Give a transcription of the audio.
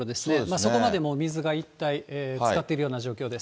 そこまでもう水が一帯つかっているような状況です。